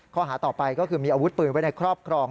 ข้อหาต่อไปก็คือมีอาวุธปืนไว้ในครอบครอง